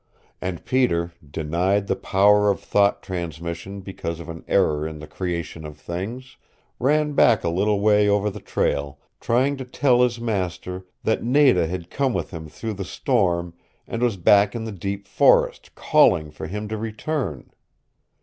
And Peter, denied the power of thought transmission because of an error in the creation of things, ran back a little way over the trail, trying to tell his master that Nada had come with him through the storm, and was back in the deep forest calling for him to return.